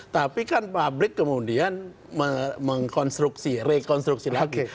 tapi kan publik kemudian mengkonstruksi rekonstruksi lagi